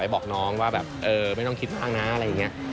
บอกน้องว่าแบบเออไม่ต้องคิดมากนะอะไรอย่างนี้